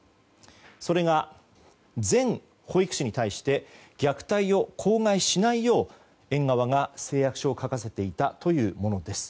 それが、全保育士に対して虐待を口外しないよう園側が誓約書を書かせていたというものです。